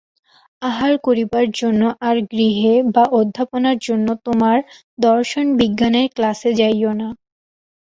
আহার করিবার জন্য আর গৃহে বা অধ্যাপনার জন্য তোমার দর্শনবিজ্ঞানের ক্লাসে যাইও না।